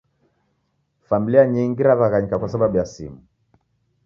Familia nyingi raw'aghanyika kwa sababu ya simu